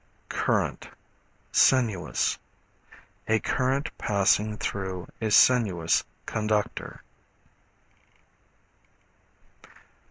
Current, Sinuous. A current passing through a sinuous conductor.